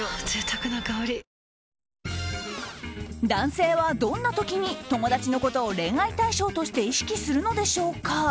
贅沢な香り男性はどんな時に友達のことを恋愛対象として意識するのでしょうか？